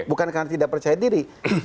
bukan karena tidak percaya diri